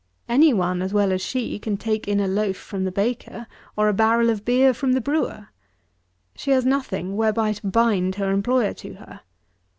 Any one as well as she can take in a loaf from the baker, or a barrel of beer from the brewer. She has nothing whereby to bind her employer to her.